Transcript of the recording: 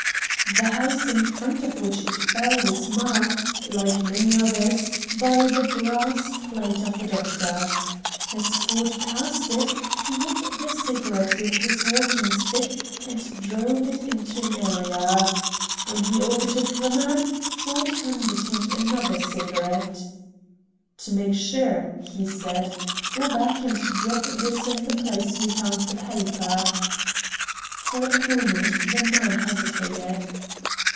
The house in front of which it fell was marked, like many others, by the brass plate of a doctor. As Ford passed it he hit the cigarette with his walking stick, and drove it into an area. When he overtook the man, Ford handed him another cigarette. "To make sure," he said, "C4 go back and drop this in the place you found the paper." For a moment the man hesitated.